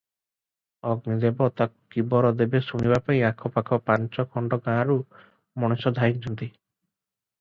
ଅଗ୍ନିଦେବ ତାକୁ କି ବର ଦେବେ ଶୁଣିବାପାଇଁ ଆଖ ପାଖ ପାଞ୍ଚ ଖଣ୍ଡ ଗାଁରୁ ମଣିଷ ଧାଇଁଛନ୍ତି ।